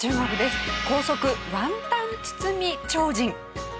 高速ワンタン包み超人。